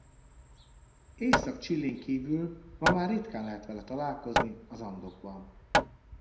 Észak-Chilén kívül ma már ritkán lehet vele találkozni az Andokban.